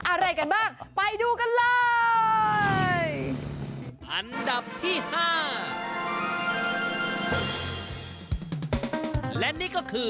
อะไรกันบ้างไปดูกันเลย